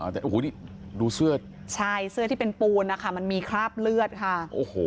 แต่โอ้โหนี่ดูเสื้อใช่เสื้อที่เป็นปูนนะคะมันมีคราบเลือดค่ะโอ้โห